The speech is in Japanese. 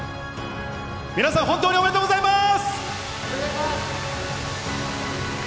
皆さん、本当におめでとうございます！